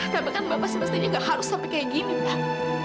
tapi kan bapak semestinya gak harus sampai kayak gini pak